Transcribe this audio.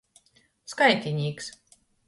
Skaitinīks.